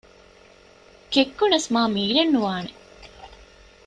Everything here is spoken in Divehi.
ކެއްކުނަސް މާމީރެއް ނުވާނެ